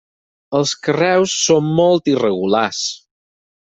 Els carreus són molt irregulars.